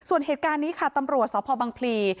ส่วนเหตุการณ์นี้ค่ะตำรวจสพบังพลี